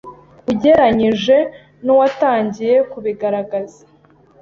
ugeranyije n'uwatangiye kubigaragaza